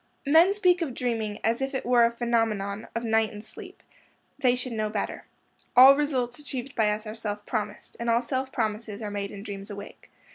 Men speak of dreaming as if it were a phenomenon of night and sleep. They should know better. All results achieved by us are self promised, and all self promises are made in dreams awake.